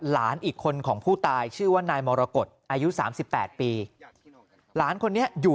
หลานอีกคนของผู้ตายชื่อว่านายมรกฏอายุ๓๘ปีหลานคนนี้อยู่